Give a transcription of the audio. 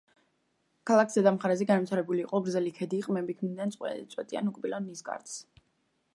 ქალას ზედა მხარეზე განვითარებული იყო გრძელი ქედი, ყბები ქმნიდნენ წვეტიან უკბილო ნისკარტს.